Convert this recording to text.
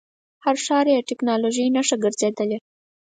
هر ښار یې د ټکنالوژۍ نښه ګرځېدلی.